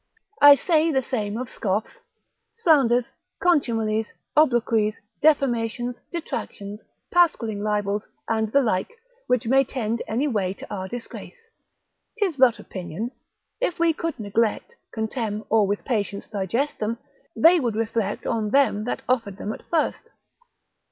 I say the same of scoffs, slanders, contumelies, obloquies, defamations, detractions, pasquilling libels, and the like, which may tend any way to our disgrace: 'tis but opinion; if we could neglect, contemn, or with patience digest them, they would reflect on them that offered them at first.